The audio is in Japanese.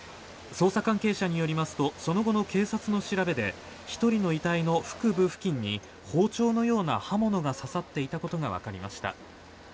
捜査関係者によりますとその後の警察の調べで１人の遺体の腹部付近に包丁のような刃物が刺さっていたことがわかりました。